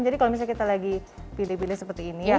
kalau misalnya kita lagi pilih pilih seperti ini